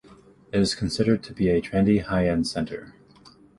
It is considered to be a trendy high-end center.